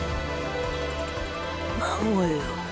孫よ。